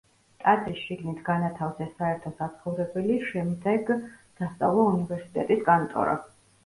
ტაძრის შიგნით განათავსეს საერთო საცხოვრებელი, შემვეგ სასწავლო უნივერსიტეტის კანტორა.